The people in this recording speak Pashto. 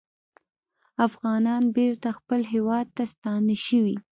افغانان بېرته خپل هیواد ته ستانه شوي